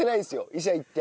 医者行って。